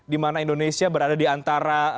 dimana indonesia berada diantara